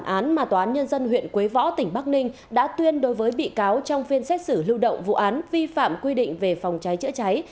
án mà tòa án nhân dân huyện quế võ tỉnh bắc ninh đã tuyên đối với bị cáo trong phiên xét xử lưu động vụ án vi phạm quy định về phòng cháy chữa cháy